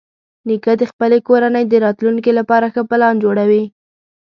نیکه د خپلې کورنۍ د راتلونکي لپاره ښه پلان جوړوي.